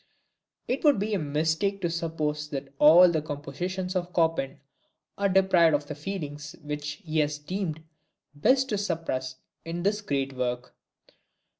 It would be a mistake to suppose that all the compositions of Chopin are deprived of the feelings which he has deemed best to suppress in this great work.